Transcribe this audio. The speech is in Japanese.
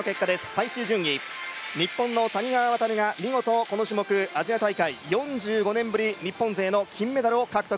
最終順位、日本の谷川航が見事、この種目アジア大会、４５年ぶり日本勢の金メダルを獲得。